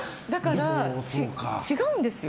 違うんですよ。